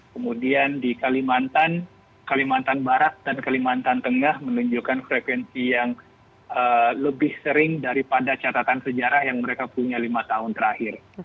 kemudian di kalimantan kalimantan barat dan kalimantan tengah menunjukkan frekuensi yang lebih sering daripada catatan sejarah yang mereka punya lima tahun terakhir